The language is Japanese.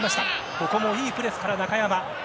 ここもいいプレスから中山。